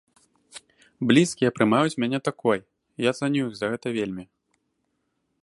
Блізкія прымаюць мяне такой, я цаню іх за гэта вельмі.